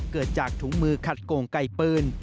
เกิดจากถุงมือขัดโกงไก่ปืน